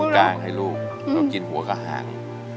เอาตรงกลางให้ลูกกินหัวกระหาง